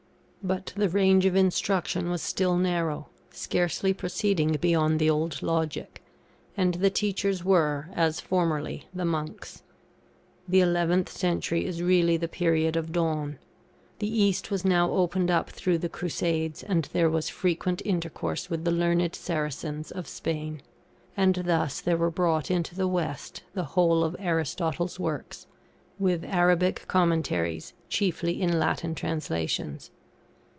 But the range of instruction was still narrow, scarcely proceeding beyond the Old Logic, and the teachers were, as formerly, the Monks. The 11th century is really the period of dawn. The East was now opened up through the Crusades, and there was frequent intercourse with the learned Saracens of Spain; and thus there were brought into the West the whole of Aristotle's works, with Arabic commentaries, chiefly in Latin translations.